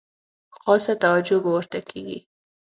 خاصه توجه به ورته کیږي.